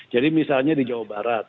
jadi misalnya di jawa barat